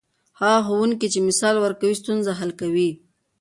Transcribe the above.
هغه ښوونکی چې مثال ورکوي، ستونزه حل کوي.